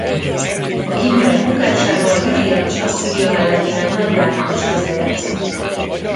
A kimmerek bukásában Lüdia és Asszíria mellett néhány nagy járvány is közrejátszott.